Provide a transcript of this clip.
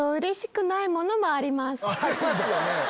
ありますよね。